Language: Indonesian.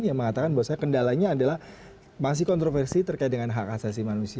yang mengatakan bahwa saya kendalanya adalah masih kontroversi terkait dengan hak asasi manusia